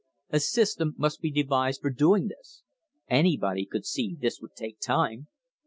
A system must be devised for doing this. Anybody could see this would take time.